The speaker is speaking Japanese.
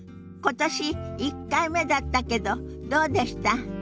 今年１回目だったけどどうでした？